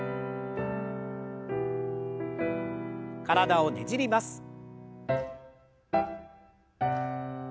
体をねじります。